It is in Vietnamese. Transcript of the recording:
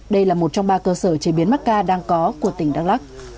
đây là một trong ba cơ sở chế biến mắc ca đang có của tỉnh đắk lắc